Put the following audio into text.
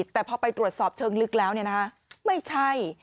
แต่พอไปตรวจสอบเชิงลึกแล้วไม่ใช่